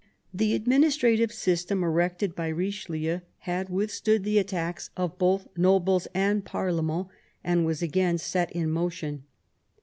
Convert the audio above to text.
The administrative system erected by Eichelieu had with stood the attacks of both nobles and parlement, and was again set in motion.